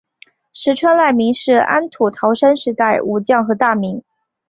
石川赖明是安土桃山时代武将和大名。